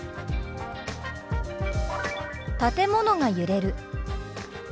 「建物が揺れる」。